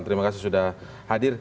terima kasih sudah hadir